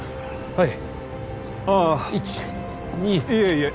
はいああいえいえ